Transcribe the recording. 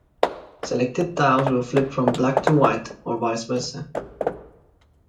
Selected tiles will flip from black to white or vice versa.